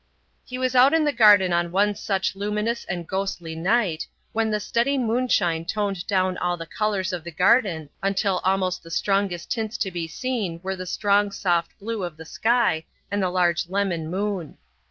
He was out in the garden on one such luminous and ghostly night, when the steady moonshine toned down all the colours of the garden until almost the strongest tints to be seen were the strong soft blue of the sky and the large lemon moon.